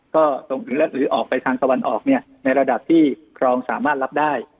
ก็ตรงถึงแล้วหรือออกไปทางสวรรค์ออกเนี้ยในระดับที่คลองสามารถรับได้